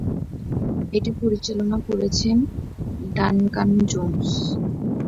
এটি পরিচালনা করেছেন ডানকান জোন্স।